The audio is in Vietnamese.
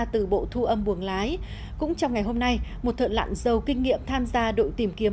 từ bộ thu âm buồng lái cũng trong ngày hôm nay một thợ lặn giàu kinh nghiệm tham gia đội tìm kiếm